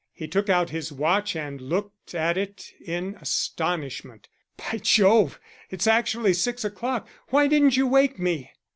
He took out his watch and looked at it in astonishment. "By Jove, it's actually six o'clock. Why didn't you wake me?"